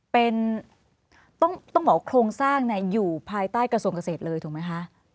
เป็นต้องบอกว่าโครงสร้างอยู่ภายใต้กระทรวงเกษตรเลยถูกไหมคะ